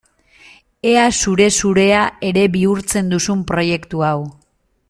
Ea zure-zurea ere bihurtzen duzun proiektu hau!